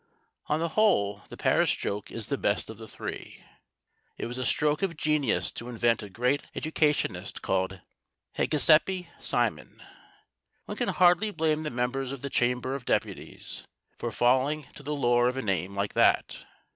On the whole the Paris joke is the best of the three. It was a stroke of genius to invent a great educationist called Hégésippe Simon. One can hardly blame the members of the Chamber of Deputies for falling to the lure of a name like that.